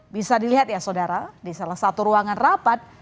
bisa dilihat ya saudara di salah satu ruangan rapat